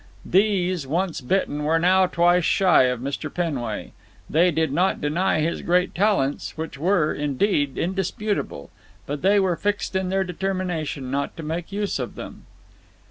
These, once bitten, were now twice shy of Mr. Penway. They did not deny his great talents, which were, indeed, indisputable; but they were fixed in their determination not to make use of them.